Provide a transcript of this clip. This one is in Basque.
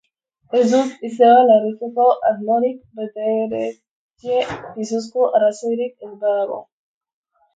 Ez dut izeba larritzeko asmorik, Betteredge, pisuzko arrazoirik ez badago.